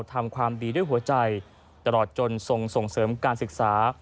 ทำความดีด้วยหัวใจตลอดจนทรงส่งเสริมการศึกษา